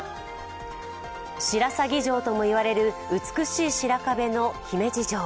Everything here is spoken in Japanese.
白鷺城ともいわれる美しい白壁の姫路城。